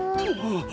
ああ。